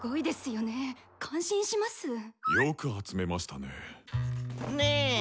よく集めましたね。ね